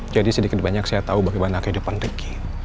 jadi sedikit banyak saya tahu bagaimana kehidupan riki